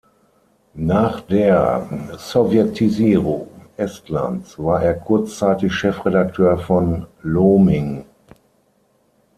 Nach der Sowjetisierung Estlands war er kurzzeitig Chefredakteur von Looming.